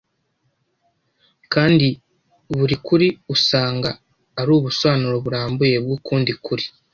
kandi buri kuri usanga ari ubusobanuro burambuye bw’ukundi kuri